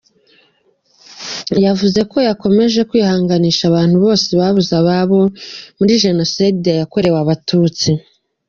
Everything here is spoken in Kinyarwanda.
Yavuze ko ikomeje kwihanganisha abantu bose babuze ababo muri jenoside yakorewe abatutsi.